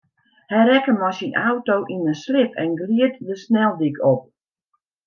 Hy rekke mei syn auto yn in slip en glied de sneldyk op.